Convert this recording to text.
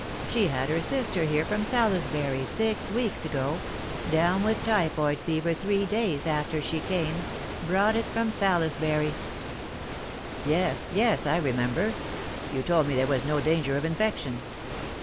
She had her sister here from Salisbury six weeks ago down with typhoid fever three days after she came brought it from Salisbury." *' Yes, yes I remember. You told me there was no danger of infection."